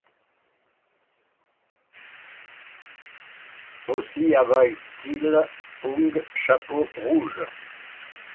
aussi avoyt-il ung chapeau rouge !